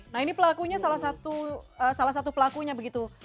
nah ini pelakunya salah satu pelakunya begitu